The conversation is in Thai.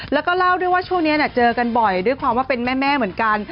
แล้วก็เล่าด้วยว่าช่วงนี้เจอกันบ่อยด้วยความว่าเป็นแม่เหมือนกัน